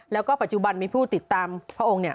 แล้วก็ปัจจุบันมีผู้ติดตามพระองค์เนี่ย